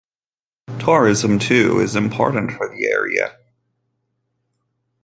Tourism too, is important for the area.